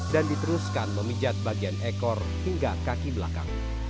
dan diteruskan memijat bagian ekor hingga kaki belakang